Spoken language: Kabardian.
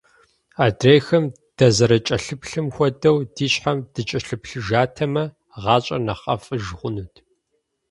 Адрейхэм дазэрыкӀэлъыплъым хуэдэу ди щхьэм дыкӀэлъыплъыжатэмэ, гъащӀэр нэхъ ӀэфӀыж хъунут.